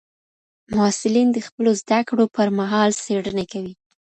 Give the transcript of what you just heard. محصلین د خپلو زده کړو پر مهال څېړني کوي.